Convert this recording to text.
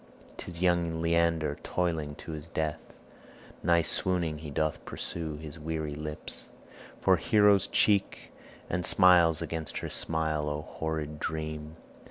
'Tis young Leander toiling to his death Nigh swooning he doth purse his weary lips For Hero's cheek, and smiles against her smile O horrid dream!